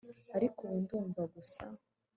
Ariko ubu ndumva gusa